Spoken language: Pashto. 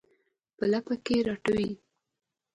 په لپه کې راټوي